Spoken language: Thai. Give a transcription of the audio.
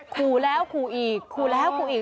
ขู่แล้วขู่อีกขู่แล้วขู่อีก